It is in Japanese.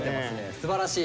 すばらしい。